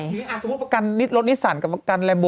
สมมุติประกันรถนิสสันกับประกันแรมโบ